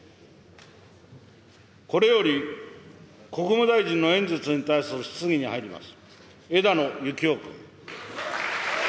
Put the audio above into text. これより国務大臣の演説に対する質疑に入ります。